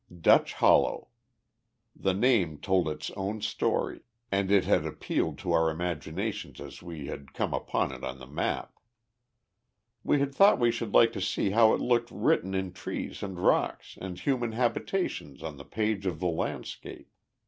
Dutch Hollow! The name told its own story, and it had appealed to our imaginations as we had come upon it on the map. We had thought we should like to see how it looked written in trees and rocks and human habitations on the page of the landscape.